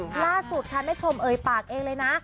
ล่าสุดค่ะแม่ชมเอ่ยปากเองเลยนะ